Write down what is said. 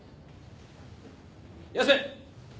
休め。